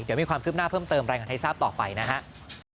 เดี๋ยวมีความคืบหน้าเพิ่มเติมรายงานให้ทราบต่อไปนะครับ